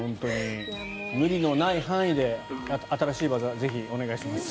無理のない範囲で新しい技、ぜひお願いします。